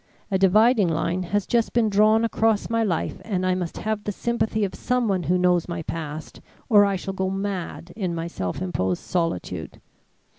A dividing line has just been drawn across my life, and I must have the sympathy of someone who knows my past, or I shall go mad in my self imposed solitude.